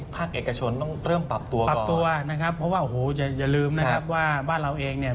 ภาคเอกชนต้องเริ่มปรับตัวปรับตัวนะครับเพราะว่าโอ้โหอย่าลืมนะครับว่าบ้านเราเองเนี่ย